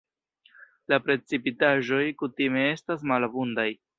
La precipitaĵoj kutime estas malabundaj.